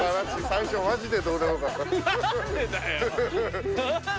最初マジでどうでもよかった。